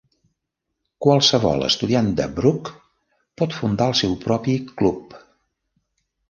Qualsevol estudiant de Brock pot fundar el seu propi club.